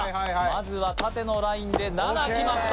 まずは縦のラインで７きました